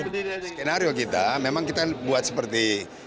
skenario kita memang kita buat seperti